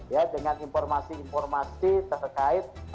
ya dengan informasi informasi terkait